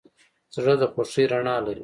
زړه د خوښۍ رڼا لري.